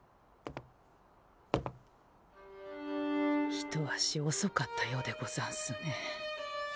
一足おそかったようでござんすね。